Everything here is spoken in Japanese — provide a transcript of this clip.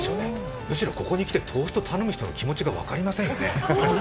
むしろ、ここに来てトーストを頼む人の気持ちが分かりませんよね。